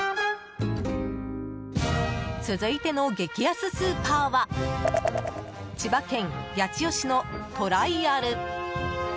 続いての激安スーパーは千葉県八千代市のトライアル。